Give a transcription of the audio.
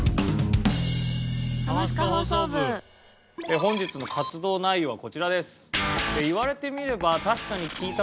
本日の活動内容はこちらです。